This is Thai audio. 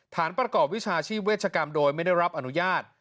ประกอบวิชาชีพเวชกรรมโดยไม่ได้รับอนุญาต